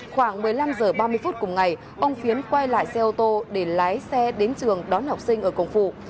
khoảng một mươi năm h ba mươi phút cùng ngày ông phiến quay lại xe ô tô để lái xe đến trường đón học sinh ở cổng phụ